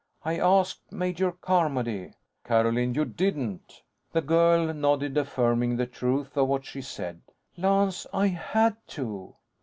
I asked Major Carmody." "Carolyn! You didn't?" The girl nodded, affirming the truth of what she said. "Lance, I had to.